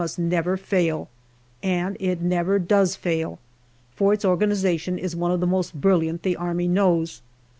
must never fail, and it never does fail, for its organization is one of the most brilliant the Army knows.